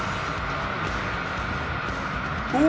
お！